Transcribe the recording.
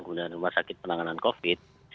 kemudian rumah sakit penanganan covid